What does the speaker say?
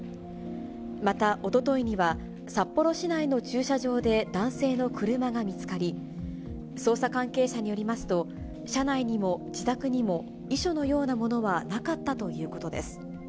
またおとといには、札幌市内の駐車場で、男性の車が見つかり、捜査関係者によりますと、車内にも自宅にも、遺書のようなものはなかったということです。